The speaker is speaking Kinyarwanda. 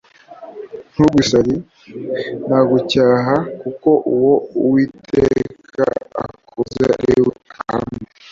ntugwe isari, nagucyaha; Kuko uwo Uwiteka akunze, ariwe ahana,